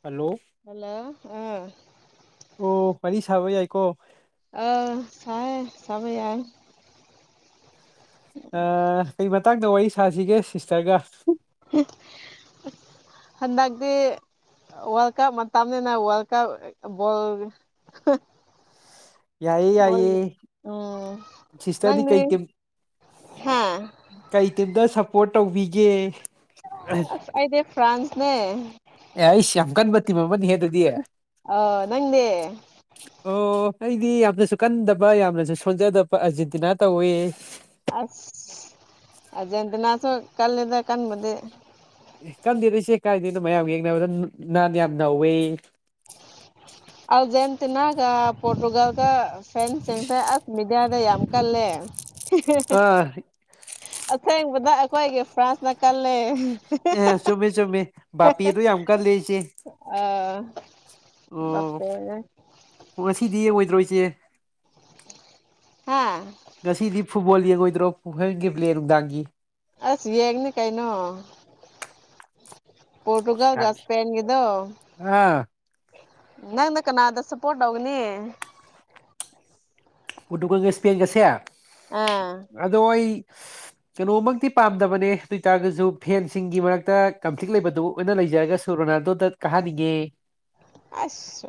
hello hello ꯑꯥ ꯑꯣ ꯋꯥꯔꯤ ꯁꯥꯕ ꯌꯥꯏꯀꯣ ꯑ ꯁꯥꯏ ꯆꯕꯥꯏ ꯑ ꯀꯩ ꯃꯇꯥꯡꯗ ꯋꯥꯔꯤ ꯁꯥꯁꯤꯒꯦ ꯁꯤꯁꯇꯔꯒ ꯍꯟꯗꯛꯗꯤ ꯋꯥꯔꯜ ꯀꯞ ꯇꯝꯅꯤ ꯅ ꯋꯥꯔꯜ ꯀꯞ ꯣ ꯌꯥꯏꯌꯦ ꯌꯥꯏꯌꯦ ꯍꯦ ꯎꯝ ꯁꯤꯁꯇꯔꯗꯤ ꯅꯪꯅꯤ ꯀꯩ ꯇꯤꯝ ꯍꯥꯦ ꯀꯩ ꯇꯤꯝꯗ ꯁꯞꯄꯣꯔꯠ ꯇꯧꯕꯤꯒꯦ ꯑ ꯑꯗ ꯐ꯭ꯔꯥꯟꯁꯅꯦ ꯑꯦ ꯑꯩꯁ ꯌꯥꯝ ꯀꯟꯕ ꯇꯤꯝ ꯑꯃꯅꯤꯍꯦ ꯑꯗꯨꯗꯤ ꯑꯣ ꯑꯣ ꯅꯪꯗꯤ ꯑꯩꯗꯤ ꯌꯥꯝꯅꯁꯨ ꯀꯟꯗꯕ ꯌꯥꯝꯅꯁꯨ ꯁꯣꯟꯖꯗꯕ ꯑꯔꯖꯦꯟꯇꯤꯅꯥ ꯇꯧꯋ ꯑꯁ ꯑꯖꯦꯟꯗꯅꯥꯁꯨ ꯀꯥꯂꯗ ꯀꯥꯟ ꯃꯗꯤꯦ ꯑꯦ ꯀꯟꯗꯦꯗꯣꯏꯁꯦ ꯀꯥꯏꯗꯅꯣ ꯃꯌꯥꯝ ꯌꯦꯡꯅꯕꯗ ꯅꯍꯥꯟ ꯌꯥꯝ ꯅꯧꯋꯤ ꯑꯝ ꯅ ꯀ ꯄꯣꯔꯇꯨꯒꯜ ꯀ ꯐ ꯑꯗ ꯌꯥꯝ ꯀꯂꯦ ꯑ ꯑꯁꯦꯡꯕꯗ ꯑꯩꯈꯣꯏꯒꯤ ꯐ꯭ꯔꯥꯟꯁꯅ ꯀꯜꯂꯦ ꯑꯦ ꯆꯨꯝꯃꯦ ꯆꯨꯝꯃꯦ ꯕꯥꯄꯤꯗꯨꯏ ꯌꯥꯝ ꯀꯜꯂꯦ ꯏꯆꯦ ꯑꯥ ꯑꯣ ꯕꯥꯄꯦꯅ ꯍ ꯉꯁꯤꯗꯤ ꯑꯣꯏꯗ꯭ꯔꯣꯏꯁꯦ ꯍꯥꯥ ꯉꯁꯤꯗꯤ ꯐꯨꯠꯕꯣꯜ ꯌꯦꯡꯉꯣꯏꯗ꯭ꯔꯣ ꯐ ꯍꯦꯟꯒꯤ ꯄ꯭ꯂꯦ ꯅꯨꯡꯗꯥꯡꯒꯤ ꯑꯁ ꯌꯦꯡꯅꯤ ꯀꯩꯅꯣ ꯄꯣꯔꯇꯨꯒꯜꯒ ꯏꯁꯄꯦꯟꯒꯗꯣ ꯑꯥ ꯅꯪꯅ ꯀꯅꯥꯗ ꯁꯞꯄꯣꯔꯠ ꯇꯧꯒꯅꯤ ꯄꯣꯔꯇꯨꯒꯜꯒ ꯏꯁꯄꯦꯟꯒꯁꯦ ꯑꯥ ꯑꯗꯣ ꯑꯩ ꯀꯩꯅꯣꯃꯛꯇꯤ ꯄꯥꯝꯗꯕꯅꯦ ꯑꯗꯨ ꯑꯣꯏꯇꯥꯔꯒꯁꯨ ꯐꯦꯟꯁꯤꯡꯒꯤ ꯃꯔꯛꯇ ꯀꯝꯐ꯭ꯂꯤꯛ ꯂꯩꯕꯗꯨ ꯑꯣꯏꯅ ꯂꯩꯖꯔꯒ ꯁꯨꯔ ꯃꯗꯣ ꯀꯍꯥꯅꯤꯒꯦ ꯑꯁ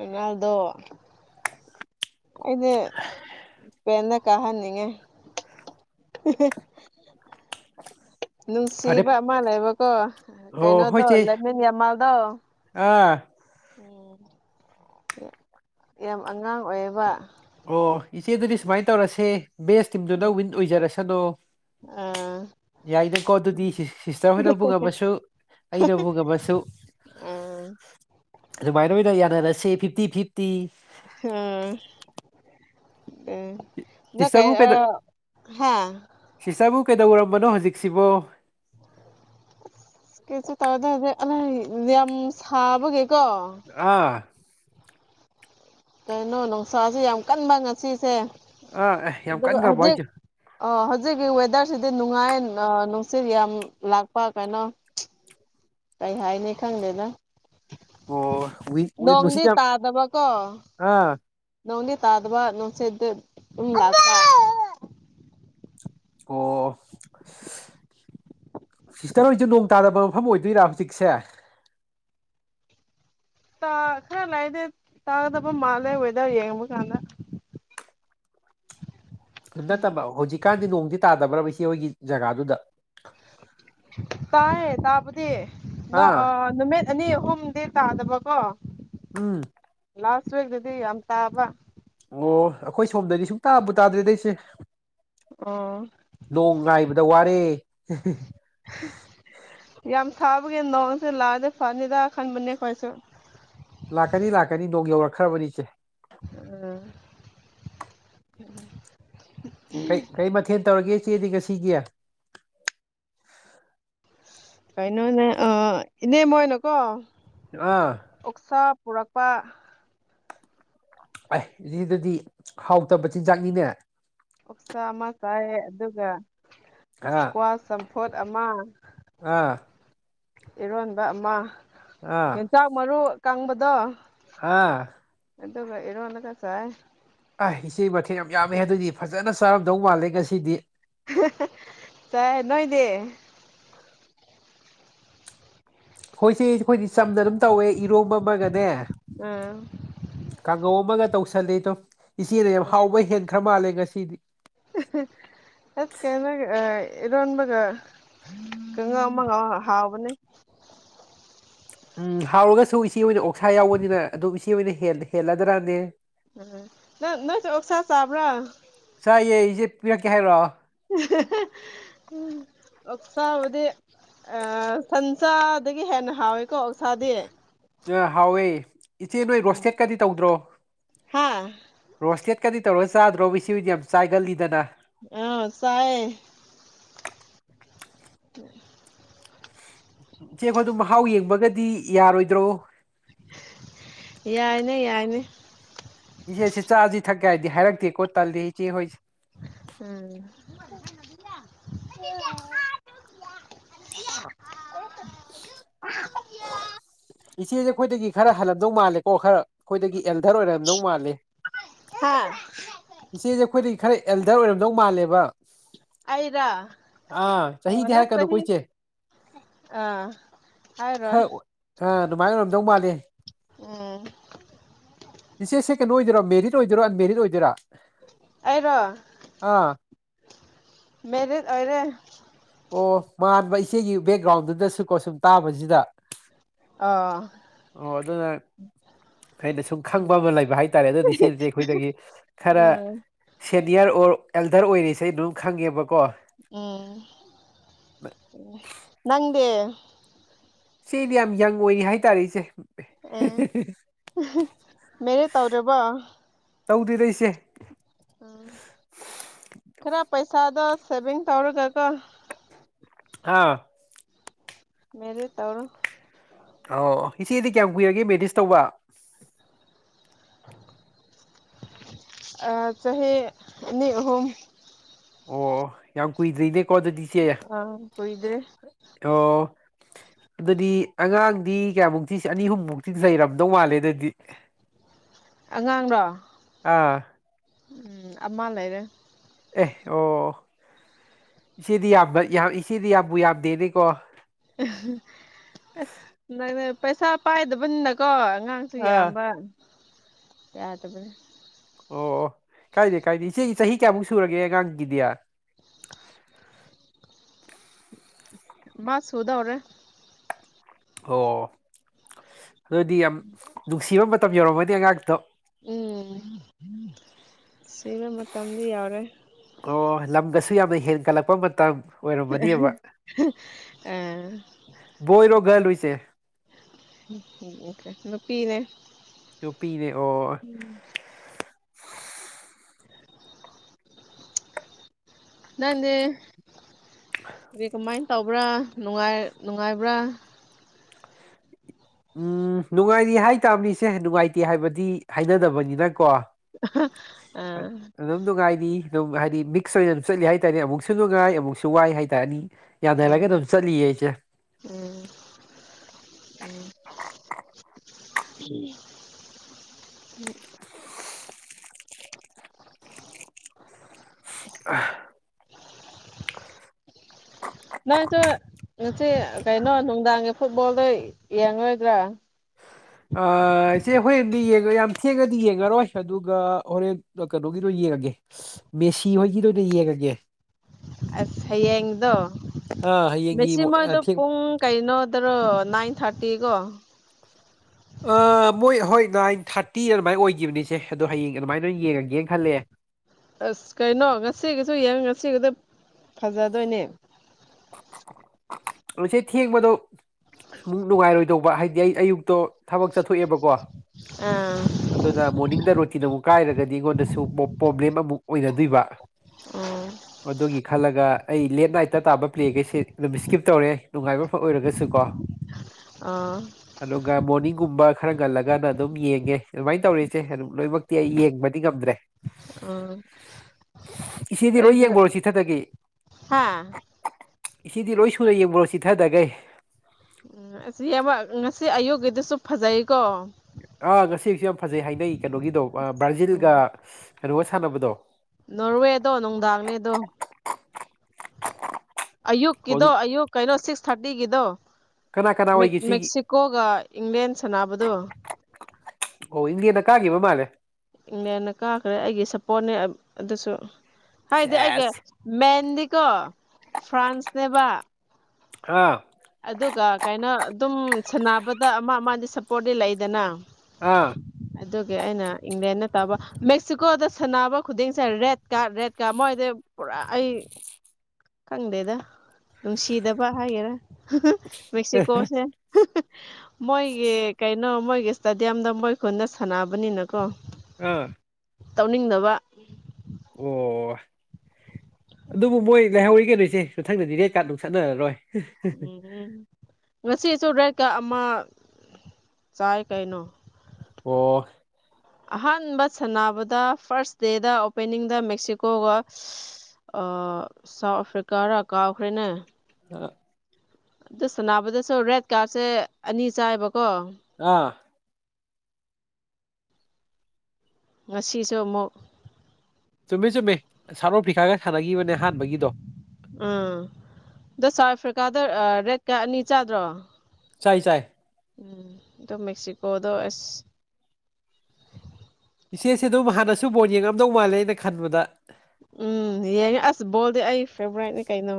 ꯏꯗꯤ ꯀꯍꯅꯤꯡꯉ ꯐꯔꯦ ꯅꯨꯡꯁꯤꯕ ꯑꯃꯜ ꯂꯩꯕꯀꯣ ꯑꯣ ꯍꯣꯏ ꯀꯩꯅꯣꯗꯣ ꯆꯦ ꯂꯩꯃꯦꯟ ꯌꯥꯝ ꯃꯥꯜꯗꯣ ꯑꯥ ꯎ ꯌꯥꯝ ꯑꯉꯥꯡ ꯑꯣꯏꯔꯕ ꯑꯣ ꯏꯆꯦꯗꯨꯗꯤ ꯁꯨꯃꯥꯏꯅ ꯇꯧꯔꯁꯦ ꯕꯦꯁ ꯇꯤꯝꯗꯨꯗ ꯋꯤꯟ ꯑꯣꯏꯖꯔꯁꯅꯣ ꯑꯥ ꯌꯥꯏꯅꯦꯀꯣ ꯑꯗꯨꯗꯤ ꯁꯤꯁꯇꯔ ꯍꯣꯏꯅꯕꯨ ꯉꯝꯃꯁꯨ ꯑꯩꯅꯕꯨ ꯉꯝꯃꯁꯨ ꯑꯥ ꯑꯗꯨꯃꯥꯏꯅ ꯑꯣꯏꯅ ꯌꯥꯅꯔꯁꯦ ꯐꯤꯐꯇꯤ ꯐꯤꯐꯇꯤ ꯑꯥ ꯑꯥ ꯅꯪ ꯀꯩ ꯁꯤꯁꯔꯕꯨꯛꯗ ꯑꯥ ꯍꯥ ꯁꯤꯁꯔꯕꯨꯛ ꯀꯩꯗꯧꯔꯕꯅꯣ ꯍꯧꯖꯤꯛꯁꯤꯕꯣ ꯀꯦꯁꯨ ꯇꯗꯦ ꯑ ꯌꯥꯝ ꯁꯥꯕꯒꯦ ꯑꯥ ꯀꯩꯅꯣ ꯅꯨꯡꯁꯥꯁꯦ ꯌꯥꯝ ꯀꯟꯕ ꯉꯁꯤꯁꯦ ꯑ ꯑꯦ ꯌꯥꯝ ꯀꯟꯈ꯭ꯔꯕꯣ ꯍꯥꯏꯁꯨ ꯑꯣ ꯍꯧꯖꯤꯛꯀꯤ ꯋꯦꯗꯔꯁꯤꯗꯤ ꯅꯨꯡꯉꯥꯏ ꯅꯨꯡꯁꯤꯠ ꯌꯥꯝ ꯂꯥꯛꯄ ꯀꯩꯅꯣ ꯀꯩ ꯍꯥꯏ ꯅ ꯈꯪꯗꯦꯗ ꯑꯣ ꯋꯤꯟ ꯋꯤꯟꯕꯨ ꯁꯤ ꯅꯣꯡꯗꯤ ꯌꯥꯝ ꯇꯥꯗꯕ ꯀꯣ ꯑꯥ ꯅꯗꯤ ꯇꯥꯗꯕ ꯅ ꯁꯦ ꯎ ꯂꯥꯛ ꯑꯣ ꯁꯤꯁꯇꯔ ꯍꯣꯏꯁꯨ ꯅꯣꯡ ꯇꯥꯔꯕ ꯃꯐꯝ ꯑꯣꯏꯗꯣꯏꯔꯥ ꯍꯧꯖꯤꯛꯁꯦ ꯈꯔ ꯂꯥꯏꯗꯤ ꯇꯥꯒꯗꯕ ꯃꯥꯜꯂꯦ ꯋꯦꯗꯔ ꯌꯦꯡꯕ ꯀꯥꯟꯗ ꯅꯠꯇꯕ ꯍꯧꯖꯤꯛꯀꯥꯟꯗꯤ ꯅꯣꯡꯗꯤ ꯇꯥꯗꯕ꯭ꯔꯕ ꯏ ꯁꯤꯦ ꯍꯣꯏꯒꯤ ꯖꯒꯥꯗꯨꯗ ꯇꯥꯏꯌꯦ ꯇꯥꯕꯨꯗꯤ ꯅ ꯑꯥ ꯅꯨꯃꯤꯠ ꯑꯅꯤ ꯑꯍꯨꯝꯗꯤ ꯇꯥꯗꯕꯀꯣ ꯎꯝ ꯂꯥꯁꯁ ꯑꯣꯏꯒꯗꯗꯤ ꯑꯝ ꯇꯕ ꯑꯣ ꯑꯩꯈꯣꯏ ꯁꯣꯝꯗꯗꯤ ꯁꯨꯡ ꯇꯥꯕꯨ ꯇꯥꯗ꯭ꯔꯦꯗꯩꯁꯦ ꯑꯣ ꯅꯣꯡ ꯉꯥꯏꯕꯗ ꯋꯥꯔꯦ ꯌꯥꯝ ꯊꯥꯕꯒꯤ ꯅꯣꯡꯁꯦ ꯂꯥꯛꯑꯗꯤ ꯐꯅꯤꯗ ꯈꯟꯕꯅꯦ ꯑꯩꯈꯣꯏꯁꯨ ꯂꯥꯛꯀꯅꯤ ꯂꯥꯛꯀꯅꯤ ꯅꯣꯡ ꯌꯧꯔꯛꯈ꯭ꯔꯕꯅꯤ ꯏꯆꯦ ꯎꯝ ꯀꯩ ꯀꯔꯤ ꯃꯊꯦꯜ ꯇꯧꯔꯒꯦ ꯆꯦꯗꯤ ꯉꯁꯤꯒꯤ ꯀꯥꯏꯩꯅꯣꯅꯦ ꯑ ꯏꯅꯦ ꯃꯣꯏꯅꯀꯣ ꯑꯥ ꯑꯣꯛꯁꯥ ꯄꯨꯔꯛꯄ ꯑꯦ ꯁꯤꯗꯗꯤ ꯍꯥꯎꯇꯕ ꯆꯤꯟꯖꯥꯛꯅꯤꯅꯦ ꯑꯣꯛꯁꯥ ꯑꯃ ꯀꯥꯏ ꯑꯗꯨꯒ ꯑꯥ ꯏꯁꯀ꯭ꯋꯥꯁ ꯆꯝꯐꯣꯠ ꯑꯃ ꯑꯥ ꯏꯔꯣꯟꯕ ꯑꯃ ꯑꯥ ꯌꯦꯟꯁꯥꯛ ꯃꯔꯨ ꯀꯪꯕꯗꯣ ꯑꯥ ꯑꯗ ꯏꯔꯣꯅ ꯀꯁ ꯑ ꯏꯆꯦ ꯃꯊꯦꯜ ꯌꯥꯝ ꯌꯥꯝꯃꯦ ꯑꯗꯨꯏꯗꯤ ꯐꯖꯅ ꯆꯥꯔꯝꯗꯧ ꯃꯥꯜꯂꯦ ꯉꯁꯤꯗꯤ ꯇꯥꯏ ꯅꯣꯏꯗ ꯍꯣꯏꯁꯦ ꯑꯩꯈꯣꯏꯗꯤ ꯆꯝꯅ ꯑꯗꯨꯝ ꯇꯧꯋꯦ ꯏꯔꯣꯝꯕ ꯑꯃꯒꯅꯦ ꯎꯝ ꯀꯥꯡꯒꯧ ꯑꯃꯒ ꯇꯧꯁꯜꯂꯤ ꯑꯗꯨꯣ ꯏꯆꯦꯅ ꯌꯥꯝ ꯍꯥꯎꯕꯩ ꯍꯦꯟꯒꯠ ꯈꯔ ꯃꯥꯜꯂꯦ ꯉꯁꯤꯗꯤ ꯑꯁ ꯀꯥꯏꯅ ꯏꯔꯣꯟꯕꯒ ꯀꯉ ꯃꯉ ꯍꯥꯎꯕꯅꯦ [inaudible] ꯎꯝ ꯍꯥꯎꯔꯒꯁꯨ ꯏꯆꯦ ꯑꯣꯏꯅ ꯑꯣꯛꯁꯥ ꯌꯥꯎꯕꯅꯤꯅ ꯑꯗꯨꯝ ꯏꯆꯦ ꯑꯣꯏꯅ ꯍꯦꯜꯂꯗ꯭ꯔꯅꯦ ꯎꯝ ꯅꯪ ꯅꯣꯏ ꯆ ꯑꯣꯁꯥ ꯆꯥꯕ꯭ꯔꯥ ꯆꯥꯏꯌꯦ ꯏꯆꯦ ꯄꯤꯔꯛꯀꯦ ꯍꯥꯏꯔꯛꯑꯣ ꯎꯝ ꯑꯣꯛꯁꯥꯕꯨꯗꯤ ꯁꯟꯆꯥꯥꯗꯒꯤ ꯍꯦꯟꯅ ꯍꯥꯎꯋꯦꯀꯣ ꯑꯣꯛꯁꯥꯗꯤ ꯑ ꯍꯥꯎꯋꯦ ꯏꯆꯦ ꯅꯣꯏ ꯎꯝ ꯔꯣꯁꯇꯦꯠꯀꯗꯤ ꯇꯧꯗ꯭ꯔꯣ ꯍꯥ ꯔꯣꯁꯇꯦꯠ ꯍ ꯀꯗꯤ ꯇꯧꯔ ꯆꯥꯗ꯭ꯔꯣ ꯃꯤꯁꯤꯗꯤ ꯌꯥꯝ ꯆꯥꯏꯒꯜꯂꯤꯗꯅ ꯑꯥ ꯆꯥꯏ ꯎ ꯆꯦ ꯑꯩꯈꯣꯏ ꯑꯗꯨ ꯃꯍꯥꯎ ꯌꯦꯡꯕꯒꯗꯤ ꯌꯥꯔꯣꯏꯗ꯭ꯔꯣ ꯌꯥꯏꯅꯦ ꯌꯥꯏꯅꯦ ꯏꯆꯦꯁꯤ ꯆꯥꯁꯤ ꯊꯛꯀꯦ ꯍꯥꯏꯗꯤ ꯍꯥꯏꯔꯛꯇꯦ ꯀꯣ ꯇꯥꯗꯤ ꯏꯆꯦ ꯍꯣꯏꯁꯦ ꯎꯝ [inaudible] ꯑ ꯏꯆꯦꯁꯦ ꯑꯩꯈꯣꯏꯗꯒꯤ ꯈꯔ ꯍꯜꯂꯂꯝꯗꯧ ꯃꯥꯜꯂꯦꯀꯣ ꯈꯔ ꯑꯩꯈꯣꯏꯗꯒꯤ ꯑꯦꯜꯊꯔ ꯑꯣꯏꯔꯝꯗꯧ ꯃꯥꯜꯂꯤ ꯍꯥ ꯏꯆꯦꯁꯦ ꯑꯩꯈꯣꯏꯗꯤ ꯈꯔ ꯑꯦꯜꯗꯔ ꯑꯣꯏꯔꯝꯗꯧ ꯃꯥꯜꯂꯦꯕ ꯑꯩꯔꯥ ꯑꯥ ꯑꯣ ꯆꯍꯤꯗꯤ ꯅꯪ ꯍꯥꯏꯔꯛꯀꯗꯨ ꯆꯍꯤ ꯀꯏꯁꯦ ꯑꯥ ꯍꯥꯏꯔꯣꯏ ꯑꯗꯨꯃꯥꯏꯅ ꯑꯣꯏꯔꯝꯗꯧ ꯃꯥꯜꯂꯦ ꯑꯣ ꯁꯤꯆꯦ ꯁꯦꯀꯦꯟ ꯑꯣꯏꯗꯣꯏꯔꯣ ꯃꯦꯔꯤꯠ ꯑꯣꯏꯗꯣꯏꯔꯣ ꯑꯟꯃꯦꯦꯔꯤꯠ ꯑꯣꯏꯗꯣꯏꯔꯥ ꯑꯩꯔꯣ ꯑꯥ ꯃꯦꯔꯤꯠ ꯑꯣꯏꯔꯦ ꯑꯣ ꯃꯥꯟꯕ ꯏꯆꯦꯒꯤ ꯕꯦꯛꯒ꯭ꯔꯥꯎꯟꯗꯨꯗꯁꯨ ꯀꯣ ꯁꯨꯝ ꯇꯥꯕꯁꯤꯗ ꯑꯣ ꯑꯣ ꯑꯗꯨꯗꯅꯦ ꯑꯩꯅ ꯁꯨꯝ ꯈꯪꯕ ꯑꯃ ꯂꯩꯕ ꯍꯥꯏꯇꯥꯔꯦ ꯑꯗꯨꯗꯤ ꯁꯤꯆꯦꯁꯦ ꯑꯩꯈꯣꯏꯗꯒꯤ ꯈꯔ ꯎꯝ ꯁꯦꯅꯤꯌꯔ ꯑꯣꯔ ꯑꯦꯜꯗꯔ ꯑꯣꯏꯔꯤꯁꯦ ꯑꯩ ꯑꯗꯨꯝ ꯈꯪꯉꯦꯕꯀꯣ ꯎꯝ ꯅꯪꯗ ꯁꯤꯗꯤ ꯌꯥꯝ ꯌꯪ ꯑꯣꯏꯅꯤ ꯍꯥꯏꯇꯥꯔꯦ ꯏꯆꯦ ꯑꯦ ꯃꯅꯦꯦ ꯇꯧꯔꯕꯣ ꯇꯧꯗꯦꯗ ꯑꯩꯁꯦ ꯎꯝ ꯈꯔ ꯄꯩꯁꯥ ꯆꯗ ꯁꯦꯕꯤ ꯄꯥꯎꯗꯔ ꯀ ꯀ ꯑꯥ ꯃꯦꯔꯤ ꯇꯧꯔꯣ ꯑ ꯏꯆꯦꯗꯤ ꯀꯌꯥꯝ ꯀꯨꯏꯔꯒꯦ ꯃꯦꯗꯤꯁ ꯇꯧꯕ ꯆꯦ ꯃꯤꯍ ꯑꯣ ꯌꯥꯝ ꯀꯨꯏꯗ꯭ꯔꯤꯅꯦꯀꯣ ꯑꯗꯨꯗꯤꯆꯦ ꯑꯥ ꯀꯨꯏꯗ꯭ꯔꯤ ꯑꯣ ꯑꯗꯨꯗꯤ ꯑꯉꯥꯡꯗꯤ ꯀꯌꯥꯃꯨꯛ ꯊ ꯑꯅꯤ ꯑꯨꯝꯃꯨꯛꯇ ꯊꯤ ꯁꯩꯔꯝꯗꯧ ꯃꯥꯜꯂꯦ ꯑꯗꯨꯗꯗꯤ [unintelligible] ꯑꯉꯥꯡꯔꯣ ꯑꯥ ꯎꯝ ꯑꯃ ꯂꯩꯔꯦ ꯑꯦ ꯑꯣ ꯏꯆꯦꯗꯤ ꯌꯥꯝꯕ ꯏꯆꯦꯗꯤ ꯌꯥꯝꯕꯨ ꯌꯥꯝꯗꯦꯅꯦꯀꯣ ꯑꯁ ꯅꯪ ꯄꯩꯁꯥ ꯄꯥꯏꯗꯕꯅꯤꯅꯀꯣ ꯑꯉꯥꯡꯁꯨ ꯑꯥ ꯌꯥꯝꯕ ꯌꯥꯗꯕꯅꯦ ꯑꯣ ꯑꯣ ꯀꯥꯏꯗꯦ ꯀꯥꯏꯗꯦ ꯏꯆꯦ ꯆꯍꯤ ꯀꯌꯥꯃꯨꯛ ꯁꯨꯔꯒꯦ ꯑꯉꯥꯡꯒꯤꯗꯤ ꯃꯥꯁꯨ ꯍꯎꯗꯎ꯭ꯔꯦ ꯑꯣ ꯑꯗꯨꯑꯣꯗꯤ ꯌꯥꯝ ꯅꯨꯡꯁꯤꯕ ꯃꯇꯝ ꯌꯧꯔꯝꯃꯅꯤ ꯑꯉꯥꯡꯇꯣ ꯎꯝ ꯁꯤꯕ ꯃꯇꯝꯗꯤ ꯌꯥꯎꯔꯦ ꯁꯨ ꯌꯥꯝꯅ ꯍꯦꯟꯒꯠꯂꯛꯄ ꯃꯇꯝ ꯑꯣꯏꯔꯕꯗꯤꯕ ꯑꯥ ꯕꯣꯏꯔꯣ ꯘ ꯂꯨꯏꯁꯦ ꯄꯤꯤꯅꯦ ꯇꯄꯤꯤꯅꯦ ꯑꯣ ꯅꯪꯅꯦꯦ ꯑ ꯀꯃꯥꯏꯅ ꯇꯧꯕ꯭ꯔꯥ ꯅꯨꯡꯉꯥꯏꯕ꯭ꯔꯥ ꯎꯝ ꯅꯨꯡꯉꯥꯏꯔꯤ ꯍꯥꯏꯇꯥꯥꯕꯅꯤꯁꯦ ꯅꯨꯡꯉꯥꯏꯇꯦ ꯍꯥꯏꯕꯗꯤ ꯍꯥꯏꯅꯗꯕꯅꯤꯅ ꯀꯣ ꯑꯥ ꯑꯗꯨꯝ ꯗꯨꯒꯥꯏꯗꯤ ꯑꯗꯨꯝ ꯍꯥꯏꯗꯤ ꯃꯤꯛꯁ ꯑꯣꯏꯅ ꯑꯗꯨꯝ ꯆꯠꯂꯤ ꯍꯥꯏꯇꯥꯥꯔꯦ ꯑꯃꯨꯛꯁꯨ ꯅꯨꯡꯉꯥꯏ ꯑꯃꯨꯛꯁꯨ ꯋꯥꯏ ꯍꯥꯏꯇꯥꯥꯔꯅꯤ ꯎꯝ ꯌꯥꯅꯔꯒ ꯑꯗꯨꯝ ꯆꯠꯂꯤꯌꯦ ꯑꯩꯁꯦ ꯎꯝ ꯎꯝ ꯎꯝ ꯑ ꯅꯥꯏ ꯆꯣ ꯉ ꯀꯩꯅꯩꯅꯣ ꯅꯨꯡꯅꯨꯡꯗꯥ ꯐꯨꯠꯕꯣꯜꯗ ꯌꯦꯡꯉꯔꯣꯏꯗ꯭ꯔꯥ ꯏꯆꯦ ꯍꯣꯔꯦꯟꯗꯤ ꯌꯦꯡꯉ ꯌꯥꯝ ꯊꯦꯡꯉꯗꯤ ꯌꯦꯡꯉꯔꯣꯏ ꯑꯗꯨꯒ ꯍꯣꯔꯦꯟ ꯀꯩꯅꯣꯒꯤꯗꯣ ꯌꯦ ꯌꯦꯡꯉꯒꯦ ꯃꯦꯁꯤ ꯍꯣꯏꯒꯤꯗ ꯑꯣꯏꯅ ꯌꯦꯡꯉꯒꯦ ꯁꯌꯦꯡꯗ ꯑꯥ ꯍꯌꯦꯡꯒꯤ ꯃꯦꯁꯤ ꯃꯣꯏꯗꯣ ꯊꯦꯡ ꯄꯨꯡ ꯀꯩꯅꯣꯗꯔꯣ ꯅꯥꯏꯟ ꯊꯥꯔꯇꯤꯀꯣ ꯃꯣꯏ ꯍꯣꯏ ꯅꯥꯏꯟ ꯊꯥꯔꯇꯤ ꯑꯗꯨꯃꯥꯏꯅ ꯑꯣꯏꯈꯤꯕꯅꯤꯁꯦ ꯑꯗꯣ ꯍꯌꯦꯡ ꯑꯗꯨꯃꯥꯏꯅ ꯑꯣꯏꯅ ꯌꯦꯡꯉꯒꯦꯅ ꯈꯜꯂꯛꯦ ꯑꯁ ꯀꯩꯅꯣ ꯉꯁꯤꯒꯤꯁꯨ ꯌꯦꯡ ꯉꯁꯤꯒꯁꯨ ꯐꯖꯗꯣꯏꯅꯦ ꯍꯧꯁꯦ ꯊ ꯃꯗꯨꯣ ꯁꯃ ꯅꯨꯡꯉꯥꯏꯔꯣꯏꯗꯧꯕ ꯍꯥꯏꯗꯤ ꯑꯩ ꯑꯌꯨꯛꯇꯣ ꯊꯕꯛ ꯆꯠꯊꯣꯛꯑꯦꯕꯀꯣ ꯑꯥ ꯑꯗꯨꯗꯗ ꯃꯣꯅꯤꯗ ꯔꯣꯇꯤ ꯅ ꯑꯃꯛ ꯀꯥꯏꯔꯒꯗꯤ ꯑꯩꯉꯣꯟꯗꯁꯨ ꯄ꯭ꯔꯣꯕ꯭ꯂꯦꯝ ꯑꯃꯨꯛ ꯑꯣꯏꯅꯗꯣꯏꯕ ꯎꯝ ꯑꯗꯨꯒꯤ ꯈꯜꯂꯒ ꯑꯩ ꯂꯦꯠ ꯅꯥꯏꯠꯇ ꯇꯥꯕ ꯄ꯭ꯂꯦꯒꯩꯁꯦ ꯅꯨꯃꯤ ꯀꯤꯞ ꯇꯧꯔꯦ ꯅꯨꯡꯉꯥꯏꯕ ꯐ ꯑꯣꯏꯔꯒꯁꯨ ꯀꯣ ꯑꯥ ꯑꯗꯨꯒ ꯃꯣꯔꯅꯤꯡꯒꯨꯝꯕ ꯈꯔ ꯉꯜꯂꯒꯅ ꯑꯗꯨꯝ ꯌꯦꯡꯉꯦ ꯑꯗꯨꯃꯥꯏꯅ ꯇꯧꯔꯤꯁꯦ ꯑꯗꯨꯝ ꯂꯣꯏꯅꯃꯛꯇꯤ ꯑꯩ ꯌꯦꯡꯕꯗꯤ ꯉꯝꯗ꯭ꯔꯦ ꯑꯥ ꯏꯆꯦꯗꯤ ꯂꯣꯏ ꯑꯩꯁꯨ ꯌꯦꯡꯕꯔꯣꯁꯤ ꯏꯊꯗꯒꯤ ꯍꯥ ꯁꯤꯗꯤ ꯂꯣꯏ ꯁꯨꯅ ꯌꯦꯡꯕꯨꯔꯣ ꯆꯤꯊꯗꯈꯩ ꯎꯝ ꯑꯁꯤꯕ ꯉꯁꯤ ꯑꯌꯨꯛꯀꯤꯗꯁꯨ ꯐꯖꯩ ꯑꯥ ꯉꯁꯤ ꯍꯧꯁꯨ ꯌꯥꯝ ꯐꯖꯩ ꯍꯥꯏꯅꯩ ꯀꯩꯅꯣꯒꯤꯗꯣ ꯎꯝ ꯕ꯭ꯔꯥꯖꯤꯜꯒ ꯀꯩꯅꯣꯒ ꯁꯥꯟꯅꯕꯗꯣ ꯅꯣꯔꯋꯦꯗꯣ ꯅꯨꯡꯗꯥꯡꯅꯦꯗꯣ ꯑꯌꯨꯛꯀꯤꯗꯣ ꯑꯣ ꯑꯌꯨꯛ ꯀꯩꯅꯣ ꯁꯤꯛꯁ ꯊꯥꯔꯇꯤꯒꯤꯗꯣ ꯀꯅꯥ ꯀꯅꯥ ꯦꯛ ꯑꯣꯏꯒꯦ ꯁꯤꯒꯤ ꯃꯦꯛꯁꯤꯀꯣꯒ ꯏꯪꯂꯦꯟ ꯁꯥꯟꯅꯕꯗꯣ ꯑꯣ ꯏꯟꯒꯦꯅ ꯀꯥꯈꯤꯕ ꯃꯥꯜꯂꯦ ꯏꯪꯂꯦꯟꯅ ꯀꯥꯈ꯭ꯔꯦ ꯑꯩꯒꯤ ꯁꯞꯄꯣꯔꯠꯅꯦ ꯑꯗꯨꯁꯨ ꯍꯥꯏꯗꯤ ꯑꯩꯒꯤ ꯁꯦꯁ ꯃꯦꯟꯗꯤ ꯀꯣ ꯐ꯭ꯔꯥꯟꯁꯅꯦꯕ ꯑꯥ ꯑꯗꯨꯒ ꯀꯩꯅꯣ ꯑꯗꯨꯝ ꯁꯥꯟꯅꯕꯗ ꯑꯃ ꯑꯃꯗꯤ ꯁꯞꯄꯣꯔꯠꯗꯤ ꯂꯩꯗꯅ ꯑꯥ ꯑꯗꯨꯒꯤ ꯑꯩꯅ ꯏꯪꯂꯦꯟꯟꯅ ꯇꯕ ꯃꯦꯛꯁꯤꯀꯣꯗ ꯁꯥꯟꯅꯕ ꯈꯨꯗꯤꯡꯁꯦ ꯔꯦꯠ ꯀꯥꯔꯠ ꯔꯦꯠ ꯀꯥꯔ ꯃꯣꯏꯗ ꯄꯨꯔꯥ ꯑꯩ ꯈꯪꯗꯦꯗ ꯅꯨꯡꯁꯤꯗꯕ ꯍꯥꯏꯒꯦꯔꯥ ꯃꯦꯛꯦꯛꯁꯤꯀꯣꯁꯦ ꯃꯣꯏꯒꯤ ꯀꯩꯅꯣ ꯃꯣꯏꯒꯤ ꯏꯁꯇꯦꯗꯤꯌꯝꯗ ꯃꯣꯏ ꯈꯨꯅ ꯁꯥꯟꯅꯕꯅꯤꯅꯀꯣ ꯑꯥ ꯇꯧꯅꯤꯡꯗꯕ ꯑꯣ ꯑꯗꯨꯕꯨ ꯃꯣꯏ ꯂꯩꯍꯧꯔꯤ ꯀꯩꯅꯣꯁꯦ ꯁꯊꯪꯗꯗꯤꯔꯦ ꯀꯥꯔꯠ ꯅꯨꯡ ꯆꯠꯅꯔꯔꯣꯏ ꯎꯝ ꯎꯝ ꯉꯁꯤ ꯆ꯭ꯔꯦ ꯇꯤꯀꯥ ꯑꯃ ꯆꯥꯏ ꯀꯩꯅꯣ ꯑꯣ ꯑꯍꯥꯟꯕ ꯁꯥꯟꯅꯕꯗ ꯐꯥꯔꯁ ꯗꯦꯗ ꯑꯣꯄꯦꯅꯤꯡꯗ ꯃꯦꯛꯁꯤꯀꯣꯒ ꯁꯥꯎꯠ ꯑꯐ꯭ꯔꯤꯀꯥꯔꯥ ꯀꯥꯎꯈ꯭ꯔꯦꯅꯦ ꯑ ꯑ ꯁꯅꯕꯗꯁꯨ ꯔꯦꯠ ꯀꯥꯔꯠꯁꯦ ꯑꯅꯤ ꯆꯥꯏꯕꯀꯣ ꯑꯥ ꯉꯁꯤꯁꯨ ꯑꯃꯨꯛ ꯇꯃꯤꯃꯤ ꯆꯃꯤꯃꯦ ꯁꯥꯟ ꯄꯤꯈꯥꯒꯁ ꯎꯝꯗꯁꯐꯥ ꯀꯥꯗꯔ ꯔꯦꯠ ꯀꯥ ꯑꯅꯤ ꯆꯥꯗ꯭ꯔꯣ ꯆꯥꯏ ꯆꯥꯏ ꯎꯝ ꯑꯗꯣ ꯃꯦꯛꯁꯤꯀꯣꯗ ꯑꯦꯁ ꯏꯆꯦꯁꯦ ꯑꯗꯨꯝ ꯍꯥꯟꯅꯁꯨ ꯕꯣꯔꯣꯟ ꯌꯦꯡꯉꯝꯗꯧ ꯃꯥꯜꯂꯦ ꯑꯩꯅ ꯈꯟꯕꯗ ꯎꯝ ꯌꯦꯡꯉꯦ ꯑꯁ ꯕꯣꯜꯗꯤ ꯑꯩ ꯐꯦꯚꯣꯔꯥꯏꯠꯅꯤ ꯀꯩꯅꯣ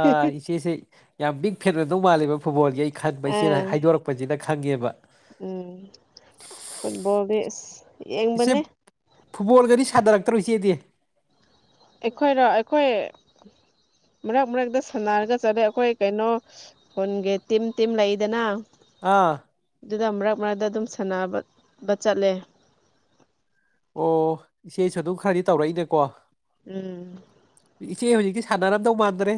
ꯑꯥ ꯏꯆꯦꯁꯦ ꯌꯥꯝ ꯃꯤꯡ ꯐꯦꯠꯅꯗꯧ ꯃꯥꯜꯂꯦꯕ ꯐꯨꯠꯕꯣꯜꯒꯤ ꯑꯩ ꯈꯟꯕ ꯏꯆꯦꯅ ꯎꯝ ꯍꯥꯏꯗꯣꯔꯛꯄꯁꯤꯅ ꯈꯪꯉꯦꯕ ꯎꯝ ꯐꯨꯠꯕꯣꯜꯒꯤꯁ ꯏꯆꯦ ꯌꯦꯡꯕꯅꯦ ꯐꯨꯠꯕꯣꯜꯒꯗꯤ ꯁꯥꯅꯔꯛꯇꯔꯣ ꯏꯆꯦꯗꯤ ꯑꯩꯈꯣꯏꯅꯣ ꯑꯩꯈꯣꯏ ꯃꯔꯛ ꯃꯔꯛꯇ ꯁꯥꯟꯅꯔꯒ ꯆꯠꯂꯦ ꯑꯩꯈꯣꯏ ꯀꯩꯅꯣ ꯈꯨꯟꯒꯤ ꯇꯤꯝ ꯇꯤꯝ ꯂꯩꯗꯅ ꯑꯥ ꯑꯗꯨꯗ ꯃꯔꯛ ꯃꯔꯛꯇ ꯑꯗꯨꯝ ꯁꯥꯟꯅꯕꯕ ꯆꯠꯂꯦ ꯑꯣ ꯏꯆꯦꯁꯨ ꯑꯗꯨꯝ ꯈꯔꯗꯤ ꯇꯧꯔꯛꯏꯅꯦꯀꯣ ꯎꯝ ꯏꯆꯦ ꯍꯧꯖꯤꯛꯀꯤ ꯁꯥꯟꯅꯔꯝꯗꯧ ꯃꯥꯟꯗ꯭ꯔꯦ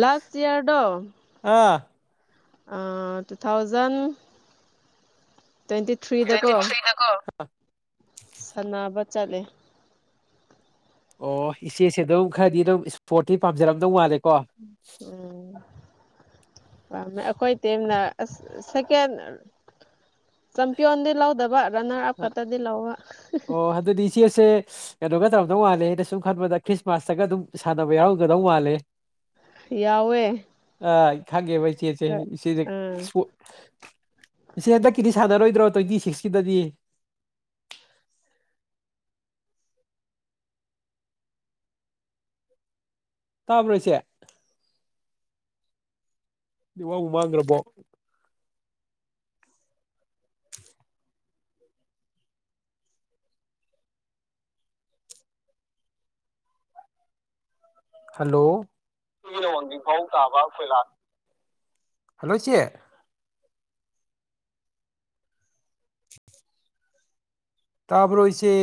ꯂꯥꯁ ꯏꯌꯥꯔꯗ ꯑꯥ ꯇꯨ ꯊꯥꯎꯖꯟ ꯇ꯭ꯋꯦꯟꯇꯤ ꯊ꯭ꯔꯤꯗꯀꯣ ꯁꯥꯟꯅꯕ ꯆꯠꯂꯦ ꯑꯣ ꯏꯆꯦꯁꯦ ꯑꯗꯨꯝ ꯈꯔꯗꯤ ꯑꯗꯨꯝ ꯏꯁꯄꯣꯔꯠꯇꯤ ꯄꯥꯝꯖꯔꯝꯗꯧ ꯃꯥꯜꯂꯦ ꯎꯝ ꯄꯥꯝꯃꯦ ꯑꯩꯈꯣꯏ ꯇꯦꯝꯅ ꯑ ꯁꯦꯀꯦꯟ ꯆꯝꯄꯤꯌꯣꯟꯗꯤ ꯂꯧꯗꯕ ꯇꯅ ꯍꯥꯐ ꯈ ꯇꯗꯤ ꯂꯑꯣ ꯑꯣ ꯑꯗꯨꯗꯤ ꯏꯆꯦꯁꯦ ꯀꯩꯅꯣꯒ ꯇꯧꯔꯝꯗꯧ ꯃꯥꯜꯂꯦ ꯑꯩꯅ ꯁꯨꯝ ꯈꯟꯕꯗ ꯈ꯭ꯔꯤꯁꯃꯥꯁꯇꯒ ꯑꯗꯨꯝ ꯁꯥꯟꯅꯕ ꯌꯥꯎꯔꯝꯒꯗꯧ ꯃꯥꯜꯂꯦ ꯌꯥꯋꯦ ꯈꯥꯒꯦꯕ ꯁꯤꯦꯁꯦ ꯀꯔꯤ ꯁꯥꯟꯅꯔꯣꯏꯗ꯭ꯔꯣ ꯇ꯭ꯋꯦꯟꯇꯤ ꯁꯤꯛꯁꯀꯤꯗꯗꯤ ꯇꯥꯕ꯭ꯔꯣꯏꯁꯦ ꯏ ꯋꯥ ꯎꯃꯥꯡ ꯉ꯭ꯔꯄꯣ [inaudible] ꯍꯜꯂꯣ ꯅꯃꯒꯤ ꯄꯥꯎ ꯇꯥꯕ ꯐꯣꯏꯂꯥꯜ ꯍꯜꯂꯣ ꯆꯦ ꯇꯄ ꯍꯣꯏ ꯎꯆꯦ